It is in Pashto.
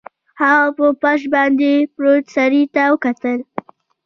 هغه په فرش باندې پروت سړي ته وکتل